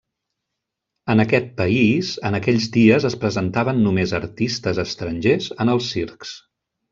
En aquest país en aquells dies es presentaven només artistes estrangers en els circs.